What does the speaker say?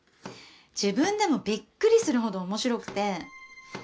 自分でもビックリするほどおもしろくて。